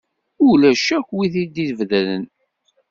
Ulac akk win i t-id-ibedren.